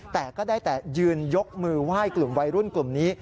แต่ก็ได้แต่ยืนยกมือไหว้กลุ่มวัยรุ่นกลุ่มนี้